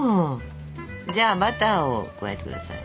じゃあバターを加えて下さい。